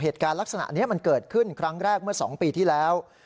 เหตุการณ์ลักษณะนี้มันเกิดขึ้นครั้งแรกเมื่อ๒ปีที่แล้ว